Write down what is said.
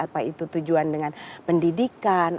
apa itu tujuan dengan pendidikan